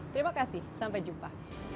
terima kasih sampai jumpa